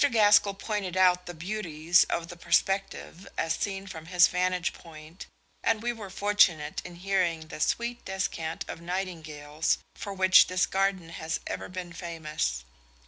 Gaskell pointed out the beauties of the perspective as seen from his vantage point, and we were fortunate in hearing the sweet descant of nightingales for which this garden has ever been famous.